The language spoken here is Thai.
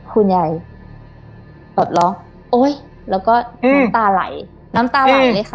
คุณยายปลดล็อกโอ๊ยแล้วก็น้ำตาไหลน้ำตาไหลเลยค่ะ